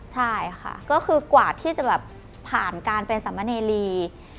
ใช่ค่ะก็คือกว่าที่จะแบบผ่านการเป็นสามเณรี